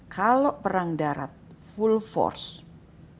kalau perang darat penuh kekuasaan